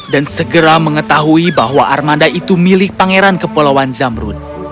dan segera mengetahui bahwa armanda itu milik pangeran kepulauan zamrud